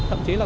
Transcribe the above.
thậm chí là